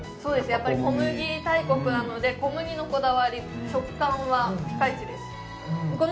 やっぱり小麦大国なので小麦のこだわり食感はピカイチです